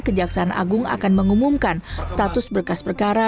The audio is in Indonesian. kejaksaan agung akan mengumumkan status berkas perkara